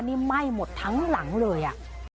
นี่ไหม้หมดทั้งหลังเลยอ่ะ